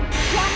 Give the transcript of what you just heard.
ya ampun ala